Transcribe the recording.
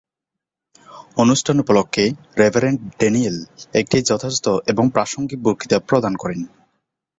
অনুষ্ঠান উপলক্ষে reverend Daniel একটি যথাযথ এবং প্রাসঙ্গিক বক্তৃতা প্রদান করেন।